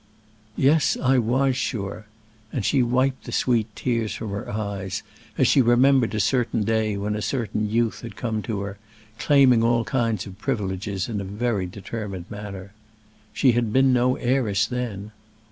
"Yes; I was sure," and she wiped the sweet tears from her eyes, as she remembered a certain day when a certain youth had come to her, claiming all kinds of privileges in a very determined manner. She had been no heiress then.